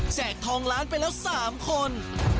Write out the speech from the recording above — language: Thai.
แจกทองล้านไปแล้วสามคน